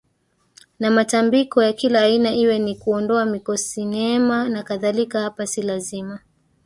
na matambiko ya kila aina iwe ni kuondoa mikosineema nakadhalikaHapa si lazima